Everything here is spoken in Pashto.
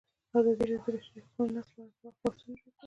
ازادي راډیو د د بشري حقونو نقض په اړه پراخ بحثونه جوړ کړي.